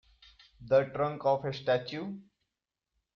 The trunk of a statue.